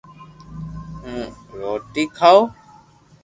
ھون روٽي کاو